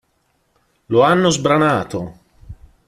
Lo hanno sbranato.